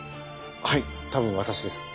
はい多分私です。